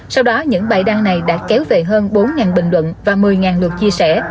sau đó những bài đăng này đã kéo về hơn bốn bình luận và một mươi lượt chia sẻ